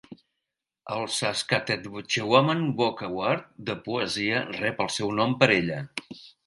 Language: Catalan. El Saskatchewan Book Award de poesia rep el seu nom per ella.